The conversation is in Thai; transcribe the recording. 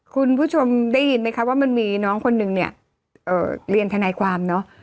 คุณผู้ชมได้ยินไหมคะว่ามันมีน้องคนนึงเนี่ยเรียนทนายความเนอะ